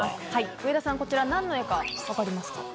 上田さん、こちら何の絵か分かりますか？